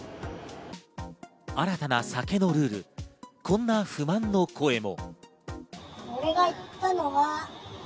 新たな酒のルール、こんな不満の声も。